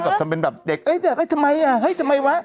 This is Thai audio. กับทำเป็นแบบเด็กโอ๊ยทำไมทำไมวะ